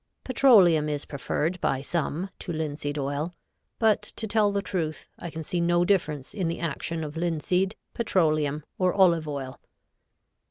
Petroleum is preferred by some to linseed oil, but, to tell the truth, I can see no difference in the action of linseed, petroleum or olive oil.